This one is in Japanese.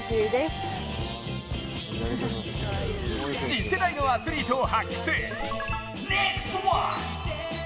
次世代のアスリートを発掘。